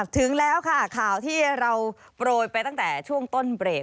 ถึงแล้วค่ะข่าวที่เราโปรยไปตั้งแต่ช่วงต้นเบรก